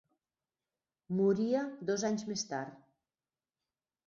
Moria dos anys més tard.